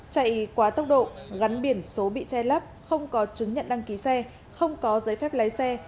chạy quá tốc độ gắn biển số bị che lắp không có chứng nhận đăng ký xe không có giấy phép lái xe